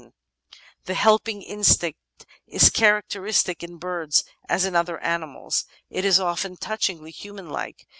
Natural History 411 The helping instinct is characteristic in birds as in other animals ; it is often touchingly human like.